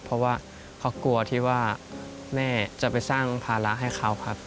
เพราะว่าเขากลัวที่ว่าแม่จะไปสร้างภาระให้เขาครับ